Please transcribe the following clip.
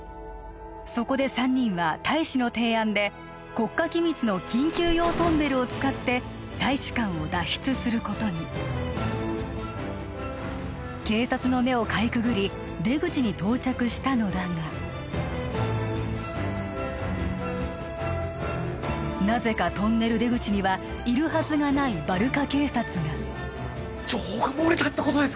そこで３人は大使の提案で国家機密の緊急用トンネルを使って大使館を脱出することに警察の目をかいくぐり出口に到着したのだがなぜかトンネル出口にはいるはずがないバルカ警察が情報が漏れたってことですか？